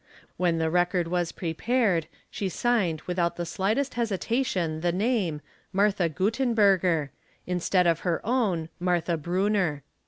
When the record was prepared, she signed without the — slightest hesitation the name, '' Martha Guttenberger," instead of her own "Martha Brunner.